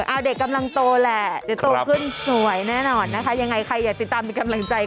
เอาเด็กกำลังโตแหละเดี๋ยวโตขึ้นสวยแน่นอนนะคะยังไงใครอยากติดตามเป็นกำลังใจ